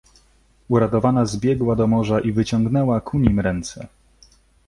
"Uradowana zbiegła do morza i wyciągnęła ku nim ręce."